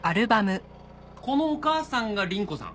このお母さんが倫子さん。